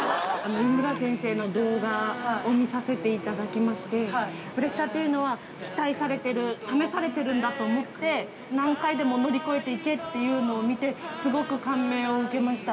井村先生の動画を見させていただきまして、プレッシャーっていうのは、期待されてる、試されてるんだと思って、何回でも乗り越えていけっていうのを見て、すごく感銘を受けました。